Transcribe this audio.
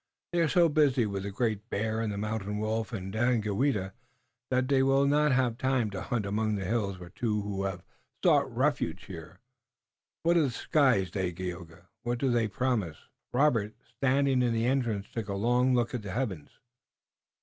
They are so busy with the Great Bear and the Mountain Wolf and Daganoweda that they will not have time to hunt among the hills for the two who have sought refuge here. What of the skies, Dagaeoga? What do they promise?" Robert, standing in the entrance, took a long look at the heavens.